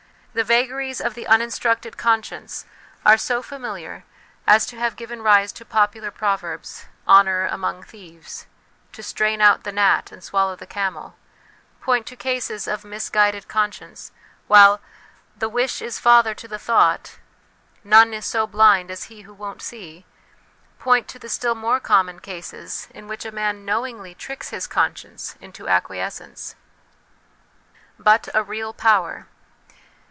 The vagaries of the uninstructed conscience 332 HOME EDUCATION are so familiar as to have given rise to popular pro verbs :' Honour among thieves/ ' To strain out the gnat and swallow the camel/ point to cases of misguided conscience ; while ' The wish is father to the thought/ ' None is so blind as he who won't see/ point to the still more common cases, in which a man knowingly tricks his conscience into acquiescence. But a real Power.